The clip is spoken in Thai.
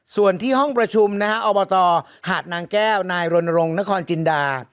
ส่วนที่ห้องประชุมนะฮะอบตหาดนางแก้วนายรณรงค์นครจินดา